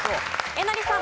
えなりさん。